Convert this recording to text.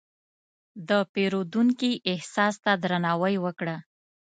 د پیرودونکي احساس ته درناوی وکړه.